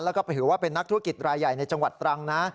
แล้วก็ถือว่าเป็นนักธุรกิจรายใหญ่ในจังหวัดตรังนะ